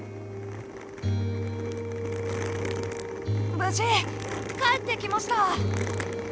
無事帰ってきました！